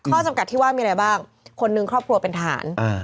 ข้อจำกัดที่ว่ามีอะไรบ้างคนหนึ่งครอบครัวเป็นทหาร